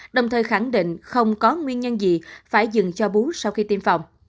đồng thời khẳng định không có nguyên nhân gì phải dừng cho bú sau khi tiêm phòng